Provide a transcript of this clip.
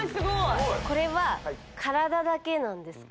これは体だけなんですか？